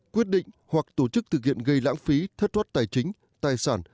quyết định hoặc tổ chức thực hiện gây lãng phí thất thoát tài chính tài sản